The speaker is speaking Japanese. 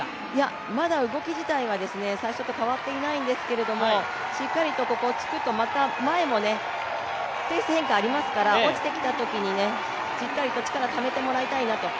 まだ動き自体は最初と変わってないんですけどしっかりとここにつくと前もペース変化がありますから落ちてきたときに、しっかりこっちからためてもらいたいなと。